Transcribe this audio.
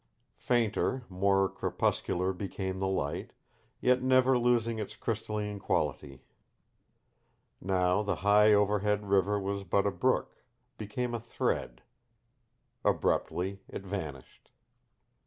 Fainter, more crepuscular became the light, yet never losing its crystalline quality. Now the high overhead river was but a brook; became a thread. Abruptly it vanished.